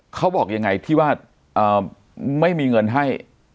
เขาบอกยังไงที่ว่าไม่มีเงินให้